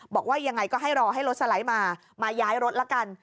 บอกว่ายังไงก็ให้รอให้รถสไลด์มามาย้ายรถละกัน